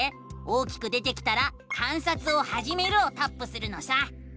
大きく出てきたら「観察をはじめる」をタップするのさ！